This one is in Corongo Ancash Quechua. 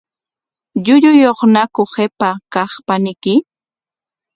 ¿Llulluyuqñaku qipa kaq paniyki?